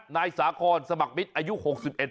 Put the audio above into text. นายสาคอนสมัครมิตรอายุ๖๑